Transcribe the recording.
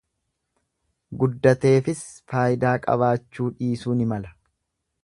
Guddateefis faayidaa qabaachuu dhiisuu ni mala.